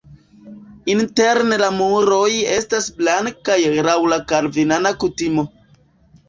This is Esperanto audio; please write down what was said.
Interne la muroj estas blankaj laŭ la kalvinana kutimo.